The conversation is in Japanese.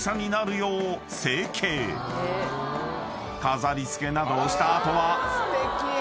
［飾り付けなどをした後は］